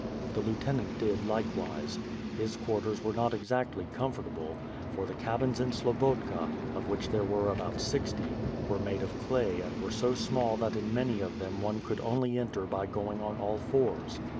The lieutenant did likewise. His quarters were not exactly comfortable; for the cabins in Slobotka, of which there were about sixty, were made of clay and were so small that in many of them one could only enter by going on all fours.